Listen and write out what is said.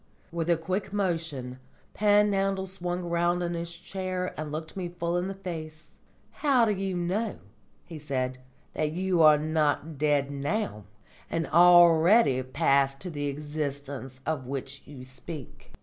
With a quick motion Panhandle swung round in his chair and looked me full in the face. "How do you know," he said, "that you are not dead now, and already passed to the existence of which you speak?"